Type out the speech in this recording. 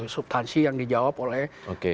subtansi yang dijawab oleh